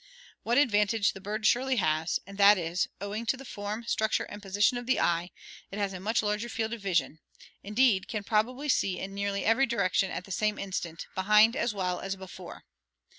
One advantage the bird surely has, and that is, owing to the form, structure, and position of the eye, it has a much larger field of vision indeed, can probably see in nearly every direction at the same instant, behind as well as before.